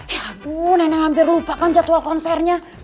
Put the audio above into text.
ya aduh neneng hampir lupa kan jadwal konsernya